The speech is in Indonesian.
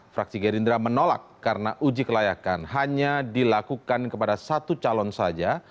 fraksi gerindra menolak karena uji kelayakan hanya dilakukan kepada satu calon saja